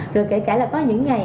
rồi kể cả là có những ngày